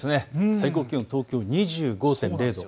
最高気温、東京２５．０度。